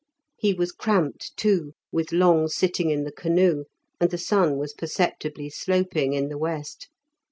He was cramped, too, with long sitting in the canoe, and the sun was perceptibly sloping in the west.